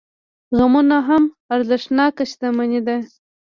غمونه هم ارزښتناکه شتمني ده.